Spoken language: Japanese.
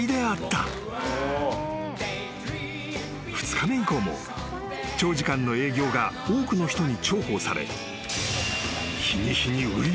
［２日目以降も長時間の営業が多くの人に重宝され］